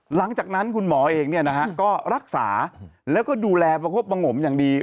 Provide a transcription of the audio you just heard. หลังจากนั้นคุณหมอเองก็รักษาแล้วก็ดูแลประคบประงมอย่างดี